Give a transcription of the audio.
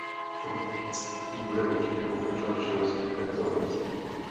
Portugalské předsednictví bude určitě pokračovat v činnosti v této oblasti.